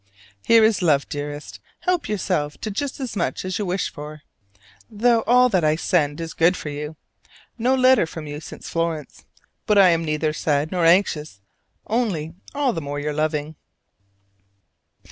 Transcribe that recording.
Here is love, dearest! help yourself to just as much as you wish for; though all that I send is good for you! No letter from you since Florence, but I am neither sad nor anxious: only all the more your loving.